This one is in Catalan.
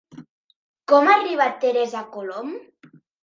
Com ha arribat Teresa Colom?